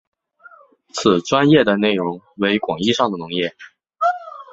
此专页的内容为广义上的农业。